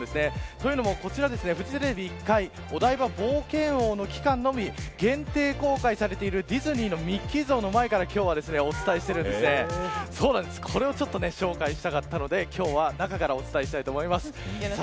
というのもこちらフジテレビ１階お台場冒険王の期間のみ限定公開されているディズニーのミッキー像の前から今日はお伝えしているんですね。これを紹介したかったので今日は中からお伝えしたいと思います。